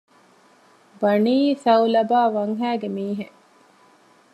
ބަނީ ޘަޢުލަބާ ވަންހައިގެ މީހެއް